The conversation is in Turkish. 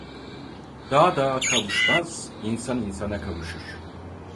Dağ dağa kavuşmaz, insan insana kavuşur.